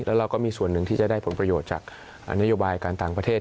แล้วเราก็มีส่วนหนึ่งที่จะได้ผลประโยชน์จากนโยบายการต่างประเทศ